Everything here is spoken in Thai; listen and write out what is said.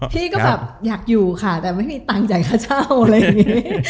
พี่ก็แบบอยากอยู่ค่ะแต่ไม่มีตังค์จ่ายค่าเช่าอะไรอย่างนี้